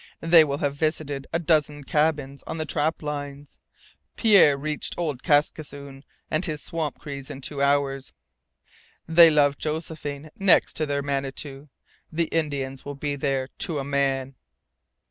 They will have visited a dozen cabins on the trap lines. Pierre reached old Kaskisoon and his Swamp Crees in two hours. They love Josephine next to their Manitou. The Indians will be there to a man!"